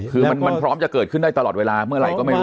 คือมันพร้อมจะเกิดขึ้นได้ตลอดเวลาเมื่อไหร่ก็ไม่รู้